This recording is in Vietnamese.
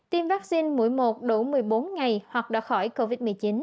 tiêm vaccine mỗi một đủ một mươi bốn ngày hoặc đọc khỏi covid một mươi chín